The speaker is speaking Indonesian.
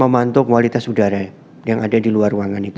memantau kualitas udara yang ada di luar ruangan itu